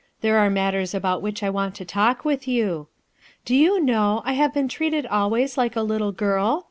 There are matters about which I want to talk with you, 11 Do you know, I have been treated always like a little girl?